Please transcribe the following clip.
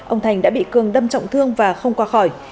ông thành đã bị cường đâm trọng thương và không qua khỏi